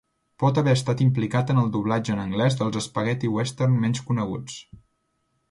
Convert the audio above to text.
Pot haver estat implicat en el doblatge en anglès dels spaghetti western menys coneguts.